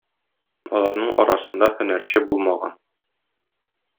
Аларның арасында һөнәрче булмаган.